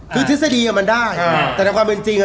คือทฤษฎีมันได้แต่ในความเป็นจริง